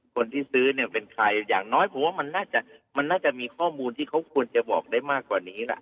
คนที่ซื้อเนี่ยเป็นใครอย่างน้อยผมว่ามันน่าจะมันน่าจะมีข้อมูลที่เขาควรจะบอกได้มากกว่านี้ล่ะ